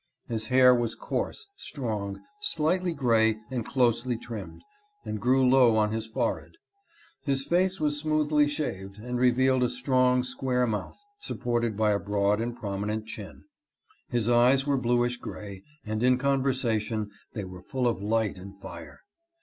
His hair was coarse, strong, slightly gray and closely trimmed, and grew low on his forehead. His face was smoothly shaved, and revealed a strong, square mouth, supported by a broad and prominent chin. His eyes were bluish gray, and in conversation they were full of light and fire.